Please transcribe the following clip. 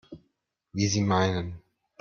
Wie Sie meinen.